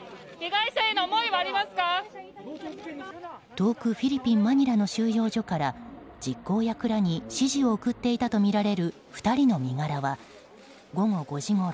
遠くフィリピン・マニラの収容所から実行役らに指示を送っていたとみられる２人の身柄は午後５時ごろ